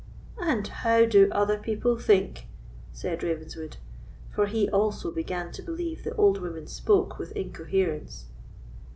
"And how do other people think?" said Ravenswood, for he also began to believe the old woman spoke with incoherence.